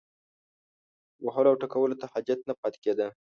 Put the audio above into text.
وهلو او ټکولو ته حاجت نه پاتې کېده.